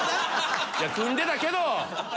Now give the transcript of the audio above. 組んでたけど！